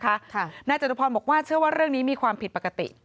ค่ะนายจตุพรบอกว่าเชื่อว่าเรื่องนี้มีความผิดปกติ